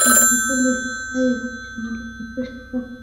তাই একটি সোনালী ব্যাংকের শাখা কাছে হলে দুর্ভোগ থেকে রেহাই পাওয়া যাবে।